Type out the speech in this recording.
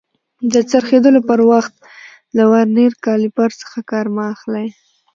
د څرخېدلو پر وخت له ورنیر کالیپر څخه کار مه اخلئ.